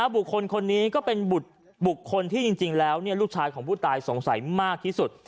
บุคคลคนนี้ก็เป็นบุคคลที่จริงแล้วลูกชายของผู้ตายสงสัยมากที่สุด